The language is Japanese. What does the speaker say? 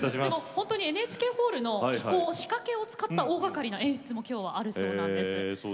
本当にＮＨＫホールの機構仕掛けを使った大がかりな演出もあるそうなんです。